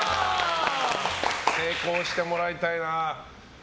成功してもらいたいな。